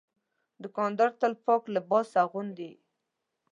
دوکاندار تل پاک لباس اغوندي.